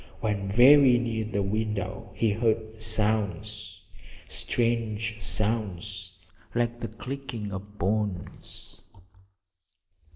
When very near the window he heard sounds strange sounds like the clicking of bones!